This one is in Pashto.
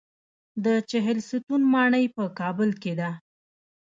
د چهلستون ماڼۍ په کابل کې ده